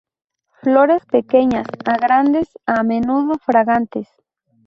Flores pequeñas a grandes, a menudo fragantes.